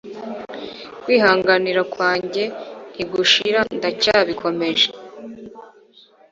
kwihanganira kwanjye ntigushira ndacyabikomeje